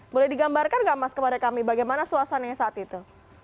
boleh digambarkan nggak mas kepada kami bagaimana suasananya saat itu